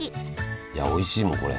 いやおいしいもんこれ。